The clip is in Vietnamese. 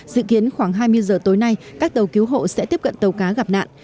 dự kiến khoảng hai mươi giờ tối nay các tàu cứu hộ sẽ tiếp cận tàu cá gặp nạn